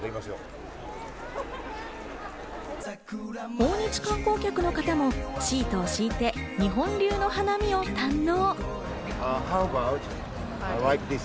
訪日観光客の方もシートを敷いて、日本流の花見を堪能。